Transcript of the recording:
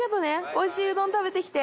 おいしいうどん食べてきて。